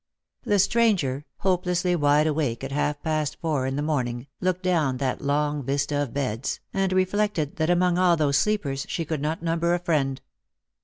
The stranger, hopelessly wide awake at half past four in the morning, looked down that long vista of beds, and reflected that among all those sleepers she could not number a friend.